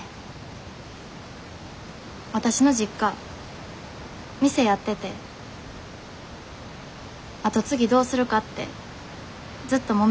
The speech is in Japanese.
わたしの実家店やってて跡継ぎどうするかってずっともめてて。